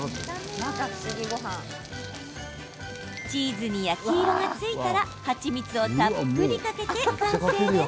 チーズに焼き色がついたら蜂蜜をたっぷりかけて完成です。